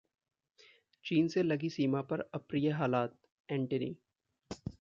चीन से लगी सीमा पर अप्रिय हालात: एंटनी